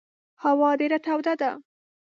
هوا ډېره توده ده.